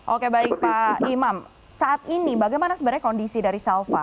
oke baik pak imam saat ini bagaimana sebenarnya kondisi dari salva